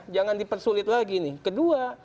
jangan dipersulit lagi nih kedua